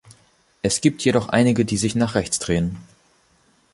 Es gibt jedoch einige, die sich nach "rechts" drehen.